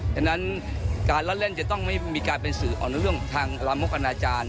ฉะนั้นการละเล่นจะต้องไม่มีการเป็นสื่อออกในเรื่องทางลามกอนาจารย์